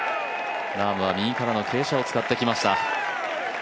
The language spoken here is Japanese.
ラームは右からの傾斜を使ってきました。